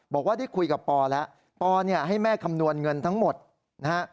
บอกว่าได้คุยกับปอแล้วปอเนี่ยให้แม่คำนวณเงินทั้งหมดนะฮะ